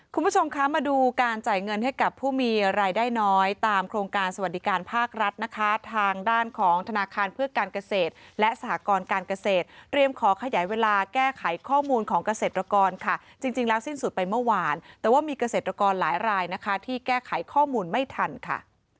คุณผู้ชมคะมาดูการจ่ายเงินให้กับผู้มีรายได้น้อยตามโครงการสวัสดิการภาครัฐนะคะทางด้านของธนาคารเพื่อการเกษตรและสหกรการเกษตรเตรียมขอขยายเวลาแก้ไขข้อมูลของเกษตรกรค่ะจริงแล้วสิ้นสุดไปเมื่อวานแต่ว่ามีเกษตรกรหลายรายนะคะที่แก้ไขข้อมูลไม่ทันค่ะ